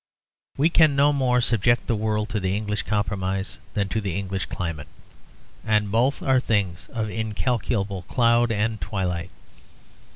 We can no more subject the world to the English compromise than to the English climate; and both are things of incalculable cloud and twilight.